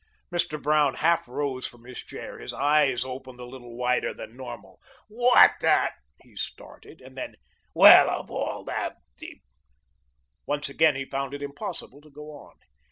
Mr. Brown half rose from his chair. His eyes opened a little wider than normal. "What the " he started; and then, "Well, of all the " Once again he found it impossible to go on.